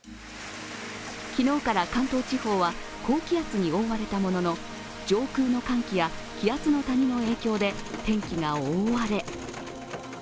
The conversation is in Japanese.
昨日から関東地方は高気圧に覆われたものの上空の寒気や気圧の谷の影響で天気が大荒れ。